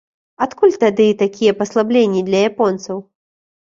Адкуль тады такія паслабленні для японцаў?